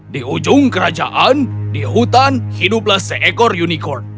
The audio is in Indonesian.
di ujung kerajaan di hutan hiduplah seekor unicorn